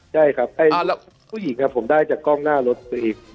ใช่ครับผู้หญิงครับผมได้จากกล้องหน้ารถตัวเอง